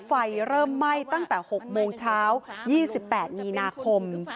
ไฟเริ่มไหม้ตั้งแต่๖โมงเช้า๒๘มีนาคม